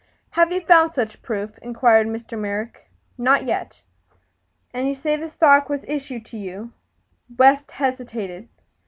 "Have you found such proof?" inquired Mr. Merrick. "Not yet." "And you say the stock was all issued to you?" West hesitated.